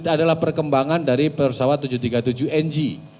adalah perkembangan dari pesawat tujuh ratus tiga puluh tujuh ng